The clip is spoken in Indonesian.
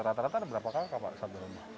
rata rata ada beberapa kakak pak di satu rumah